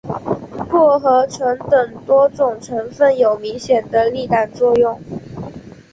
薄荷醇等多种成分有明显的利胆作用。